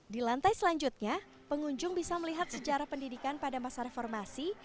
di lantai selanjutnya pengunjung bisa melihat sejarah pendidikan pada masa reformasi